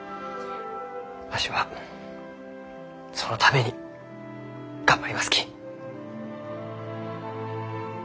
わしはそのために頑張りますき。